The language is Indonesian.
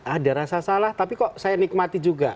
ada rasa salah tapi kok saya nikmati juga